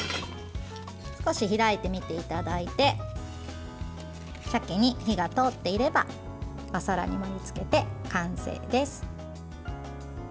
少し開いてみていただいてさけに火が通っていればお皿に盛りつけて完成です。